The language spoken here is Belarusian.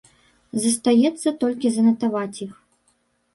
Застаецца толькі занатаваць іх.